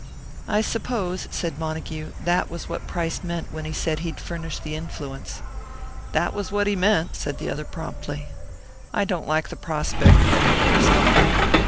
"I suppose," said Montague, "that was what Price meant when he said he'd furnish the influence." "That was what he meant," said the other, promptly. "I don't like the prospect," Montague responded.